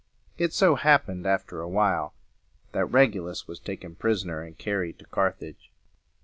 It so happened after a while, that Reg u lus was taken pris on er and carried to Carthage.